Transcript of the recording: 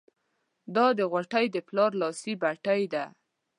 دا د غوټۍ د پلار لاسي بتۍ ده.